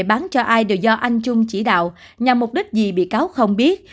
bán cho ai đều do anh trung chỉ đạo nhằm mục đích gì bị cáo không biết